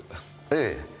ええ。